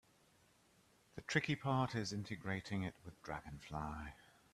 The tricky part is integrating it with Dragonfly.